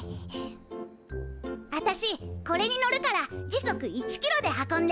あたしこれに乗るから時速１キロで運んで！